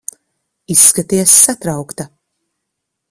Izskaties satraukta.